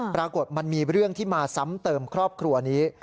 ปรากฏมันมีเรื่องที่มาซ้ำเติมครอบครัวนี้